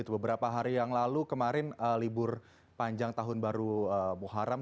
beberapa hari yang lalu kemarin libur panjang tahun baru muharam